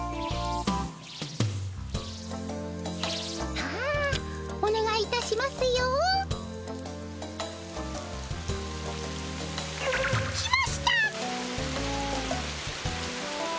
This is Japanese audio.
さあおねがいいたしますよ。来ました！